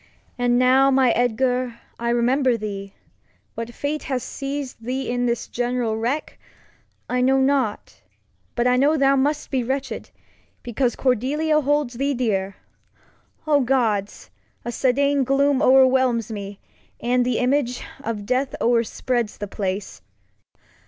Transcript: And now, my Edgar, I remember thee. What Fate has seiz'd thee in this general Wreck I know not, but I know thou must be wretched. Because Cordelia holds thee dear. Gods! A sudden Gloom o'er whelms me, and the Image Of Death o'er spreads the Place.